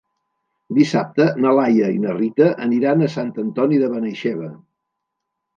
Dissabte na Laia i na Rita aniran a Sant Antoni de Benaixeve.